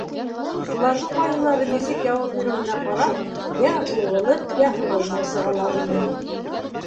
Уларҙың ҡайһылары нисек яуап биреүенә ҡарап, йә һуғылып, йә һуғылмай сығалар ине.